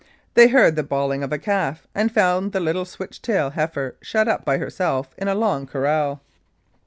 They heard the bawling of a calf, and found the little switch tailed heifer shut up by herself in a log corral.